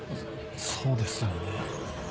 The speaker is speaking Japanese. そうですよね。